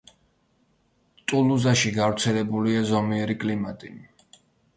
ტულუზაში გავრცელებულია ზომიერი კლიმატი.